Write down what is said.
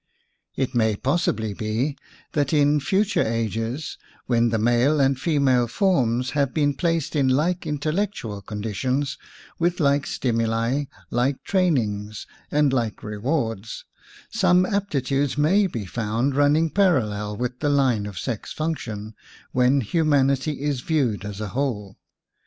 It may possibly be that, in future ages, when the male and female forms have been placed in like intellectual conditions, with like stimuli, like train ings and like rewards, some aptitudes may be found running parallel with the line of sex function when humanity is viewed as a whole.